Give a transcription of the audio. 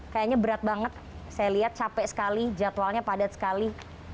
kayaknya berat banget saya lihat capek sekali jadwalnya padat sekali